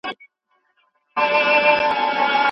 تورېدلي، ترهېدلي به مرغان وي